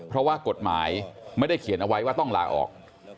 เพราะว่ากฎหมายไม่ได้เขียนเอาไว้ว่าต้องลาออก